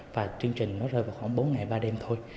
và chương trình nó rơi vào khoảng bốn ngày ba đêm thôi